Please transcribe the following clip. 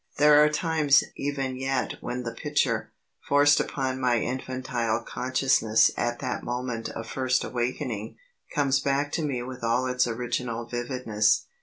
There are times even yet when the picture, forced upon my infantile consciousness at that moment of first awakening, comes back to me with all its original vividness.